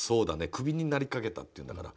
クビになりかけたっていうんだから。